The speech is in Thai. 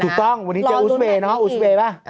ถูกต้องวันนี้จะอู๋สเบย์เนอะอู๋สเบย์ป่ะ